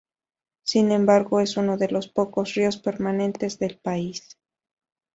Sin embargo, es uno de los pocos ríos permanentes del país.